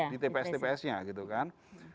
di tps tps nya gitu kan